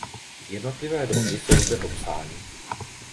Jednotlivé druhy jsou zde popsány.